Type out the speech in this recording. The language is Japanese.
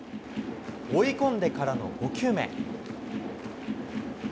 追い込んでからの５球目。